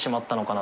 な